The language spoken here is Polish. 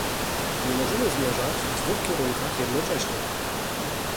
Nie możemy zmierzać w dwóch kierunkach jednocześnie